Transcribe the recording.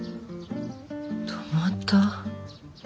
泊まった？